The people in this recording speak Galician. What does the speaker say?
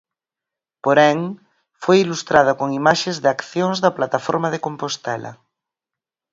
Porén, foi ilustrada con imaxes de accións da plataforma de Compostela.